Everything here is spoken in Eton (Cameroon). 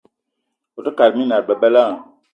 Ote kate minal bebela.